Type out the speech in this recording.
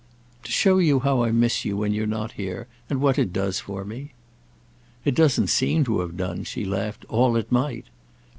"To show you how I miss you when you're not here, and what it does for me." "It doesn't seem to have done," she laughed, "all it might!